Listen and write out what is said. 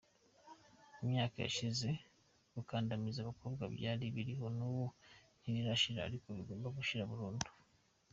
Mu myaka yashize gukandamiza abakobwa byari biriho n’ubu ntibirashira ariko bigomba gushira burundu.